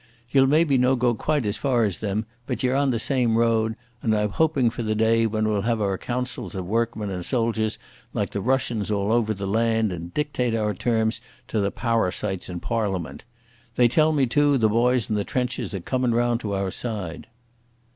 Ye'll maybe no go quite as far as them, but ye're on the same road. I'm hoping for the day when we'll have oor Councils of Workmen and Soldiers like the Russians all over the land and dictate our terms to the pawrasites in Pawrliament. They tell me, too, the boys in the trenches are comin' round to our side."